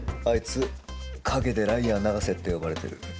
あいつ、陰でライアー永瀬って呼ばれてる。